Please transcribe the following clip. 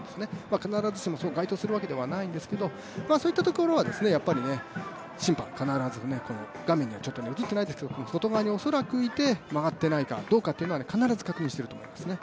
必ずしも該当するわけではないんですけどもそういったところは審判必ず画面には映ってないですけれども外側に恐らくいて曲がっていないかというのは必ず確認していると思いますね。